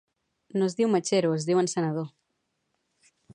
No es diu "mechero", es diu encenedor.